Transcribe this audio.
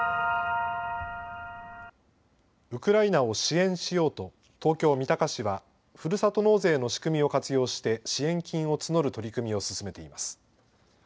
ウクライナを支援しようと東京三鷹市はふるさと納税の仕組みを活用して支援金を募る取り組みを進めています。